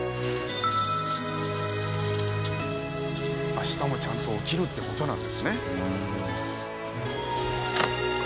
明日もちゃんと起きるって事なんですね。